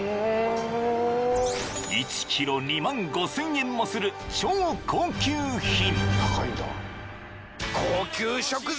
［１ｋｇ２万５，０００円もする超高級品］